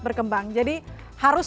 berkembang jadi harus